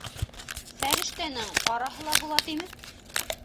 Фәрештәнең ҡараһы ла була тиме?